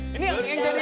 selalu riang gembira